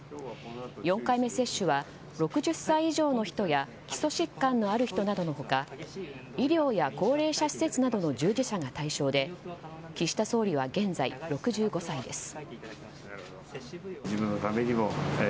４回目接種は６０歳以上の人や基礎疾患のある人などの他医療や高齢者施設などの従事者が対象で岸田総理は現在、６５歳です。